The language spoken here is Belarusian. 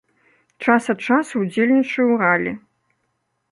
Час ад часу ўдзельнічаю ў ралі.